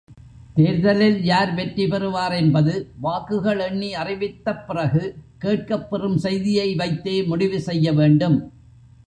தேர்தலில் யார் வெற்றி பெறுவார் என்பது வாக்குகள் எண்ணி அறிவித்தப் பிறகு, கேட்கப்பெறும் செய்தியை வைத்தே முடிவு செய்யவேண்டும்.